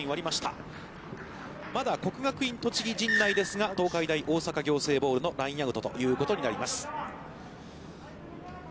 まだ国学院栃木陣内ですが、東海大大阪仰星ボールのラインアウトということになります。